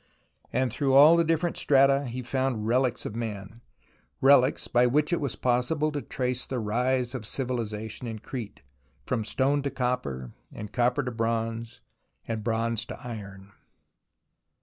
And through aU the different strata he found relics of man, relics by which it was possible to trace the rise of civilization in Crete, 190 THE ROMANCE OF EXCAVATION from stone to copper, and copper to bronze and bronze to iron.